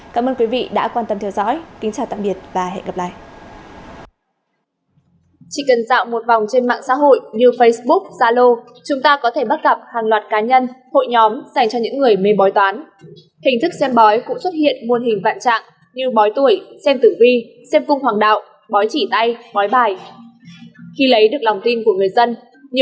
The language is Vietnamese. cảm ơn quý vị đã quan tâm theo dõi kính chào tạm biệt và hẹn gặp lại